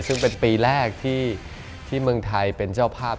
ซึ่งเป็นปีแรกที่เมืองไทยเป็นเจ้าภาพ